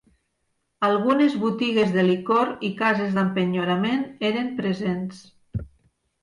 Algunes botigues de licor i cases d'empenyorament eren presents.